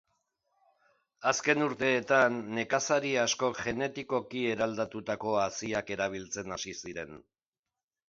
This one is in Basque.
Azken urteetan, nekazari askok genetikoki eraldatutako haziak erabiltzen hasi ziren.